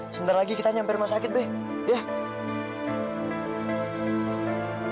sebentar lagi kita nyampe rumah sakit be ya